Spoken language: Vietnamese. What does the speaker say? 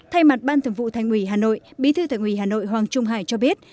thay mặt ban thường vụ thành ủy hà nội bí thư thành ủy hà nội hoàng trung hải cho biết